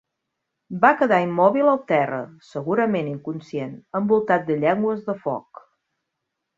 Va quedar immòbil al terra, segurament inconscient, envoltat de llengües de foc.